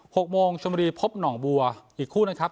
หกโมงชมบุรีพบหนองบัวอีกคู่นะครับ